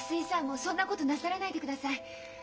もうそんなことなさらないでください。